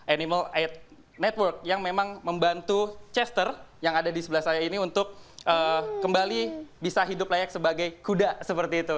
animal aid network yang memang membantu chester yang ada di sebelah saya ini untuk kembali bisa hidup layak sebagai kuda seperti itu